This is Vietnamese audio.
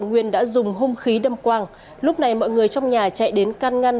nguyên đã dùng hung khí đâm quang lúc này mọi người trong nhà chạy đến can ngăn